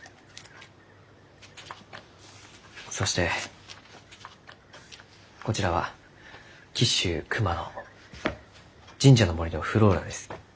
そしてこちらは紀州熊野神社の森のｆｌｏｒａです。